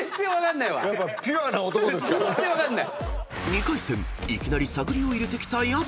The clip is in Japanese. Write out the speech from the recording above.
［２回戦いきなり探りを入れてきた薮］